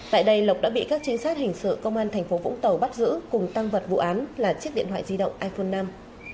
tại đây lộc đã bị các trinh sát hình sự công an thành phố vũng tàu bắt giữ cùng tăng vật vụ án là chiếc điện thoại di động iphone năm